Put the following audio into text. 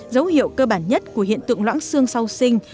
dấu hiệu cơ bản nhất của hiện tượng loãng xương sau sinh